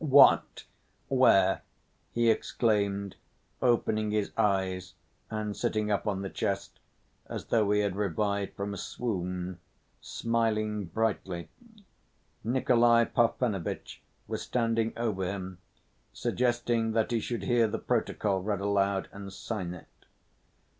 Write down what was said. "What! Where?" he exclaimed opening his eyes, and sitting up on the chest, as though he had revived from a swoon, smiling brightly. Nikolay Parfenovitch was standing over him, suggesting that he should hear the protocol read aloud and sign it.